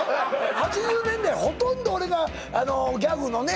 ８０年代ほとんど俺があのギャグのね